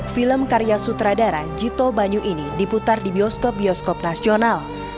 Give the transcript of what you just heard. film karya sutradara jito banyu ini diputar di bioskop bioskop nasional